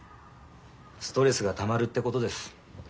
ストレスがたまるってことです。